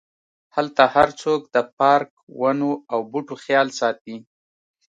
هلته هرڅوک د پارک، ونو او بوټو خیال ساتي.